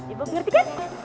ibu ngerti kan